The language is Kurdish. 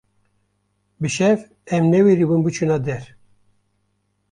bi şev em newêribûn biçûna der